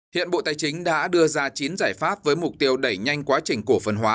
hiện bộ tài chính đã đưa ra chín giải pháp với mục tiêu đẩy nhanh quá trình cổ phần hóa